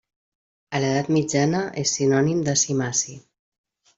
A l'edat mitjana és sinònim de cimaci.